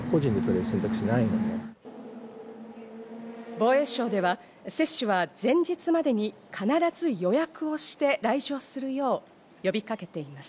防衛省では接種は前日までに必ず予約をして来場するよう呼びかけています。